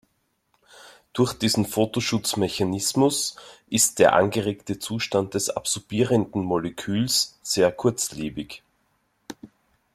Durch diesen Photoschutz-Mechanismus ist der angeregte Zustand des absorbierenden Moleküls sehr kurzlebig.